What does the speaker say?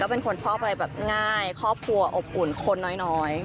เป็นคนชอบอะไรแบบง่ายครอบครัวอบอุ่นคนน้อย